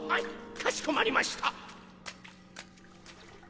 かしこまりました！